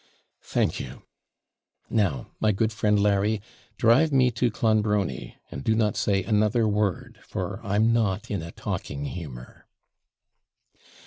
'Thank you. Now, my good friend Larry, drive me to Clonbrony, and do not say another word, for I'm not in a talking humour.'